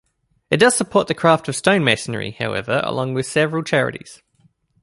It does support the craft of stonemasonry, however, along with several charities.